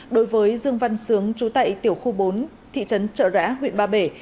đối với dương văn sướng trú tại tiểu khu bốn thị trấn trợ rã huyện ba bể